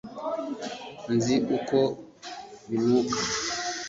nzi uko binuka